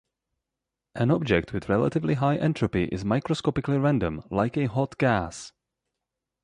An object with relatively high entropy is microscopically random, like a hot gas.